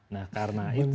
nah karena itu